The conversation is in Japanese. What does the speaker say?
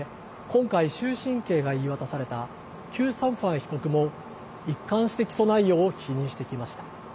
今回、終身刑が言い渡されたキュー・サムファン被告も一貫して起訴内容を否認してきました。